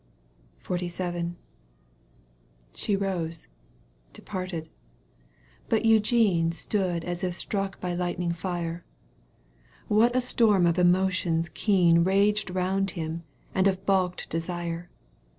XLVII. She rose — departed. But Eugene Stood as if struck by lightning fire. ^ What a storm of emotions keen Eaged round him and of balked desire